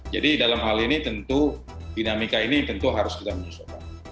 jadi dalam hal ini tentu dinamika ini tentu harus kita menyusulkan